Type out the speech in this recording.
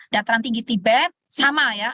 dataran tinggi tibed sama ya